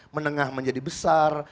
menengah menjadi besar